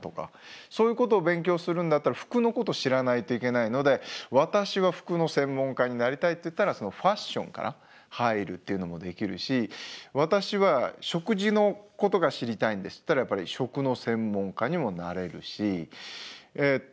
そういうことを勉強するんだったら服のこと知らないといけないので私は服の専門家になりたいっていったらファッションから入るっていうのもできるし私は食事のことが知りたいんですっていったら食の専門家にもなれるしえっと